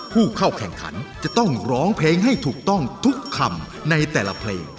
ผู้เข้าแข่งขันจะต้องร้องเพลงให้ถูกต้องทุกคำในแต่ละเพลง